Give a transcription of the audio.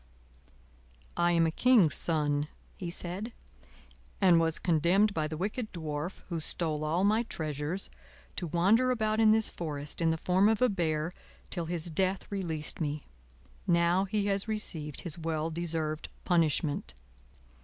"I am a king's son," he said, "and was condemned by the wicked Dwarf, who stole all my treasures, to wander about in this forest, in the form of a bear, till his death released me. Now he has received his well deserved punishment."